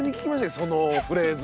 そのフレーズ。